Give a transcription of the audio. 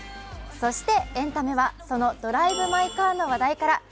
そして「エンタメ」はその「ドライブ・マイ・カー」の話題から。